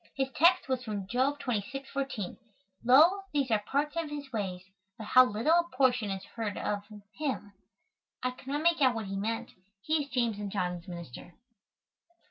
His text was from Job 26, 14: "Lo these are parts of his ways, but how little a portion is heard of him." I could not make out what he meant. He is James' and John's minister.